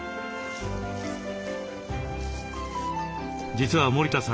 実は森田さん